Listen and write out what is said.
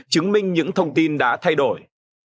chứng minh những thông tin đã thay đổi